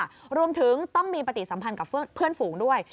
รวมถึงต้องมีปฏิสัมพันธ์กับเพื่อนฝูงด้วย